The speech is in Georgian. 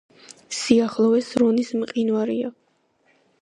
სიახლოვეს რონის მყინვარია.